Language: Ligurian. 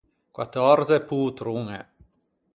Quattòrze pôtroñe.